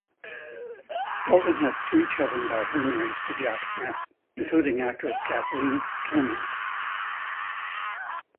Dalton has three children by her marriage to Jack Smith, including actress Kathleen Kinmont.